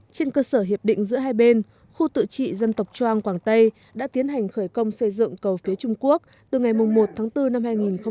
trên cơ sở hiệp định giữa hai bên khu tự trị dân tộc trang quảng tây đã tiến hành khởi công xây dựng cầu phía trung quốc từ ngày một tháng bốn năm hai nghìn một mươi chín